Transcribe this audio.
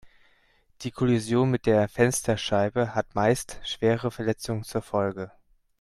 Die Kollision mit der Fensterscheibe hat meist schwere Verletzungen zur Folge.